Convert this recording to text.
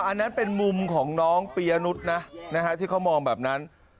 อันนั้นเป็นมุมของน้องปียะนุษย์นะที่เขามองแบบนั้น